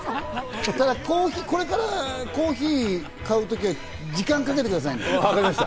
これからコーヒー買うときは時間かけてください。